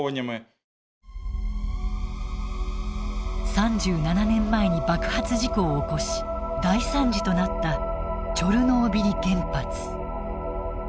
３７年前に爆発事故を起こし大惨事となったチョルノービリ原発。